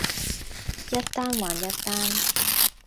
一單還一單